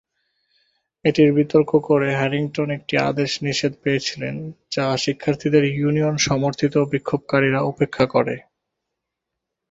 এটির বিতর্ক করে, হ্যারিংটন একটি আদেশ নিষেধ পেয়েছিলেন যা শিক্ষার্থীদের ইউনিয়ন সমর্থিত বিক্ষোভকারীরা উপেক্ষা করে।